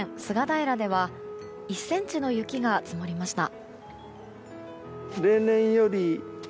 平では１ｃｍの雪が積もりました。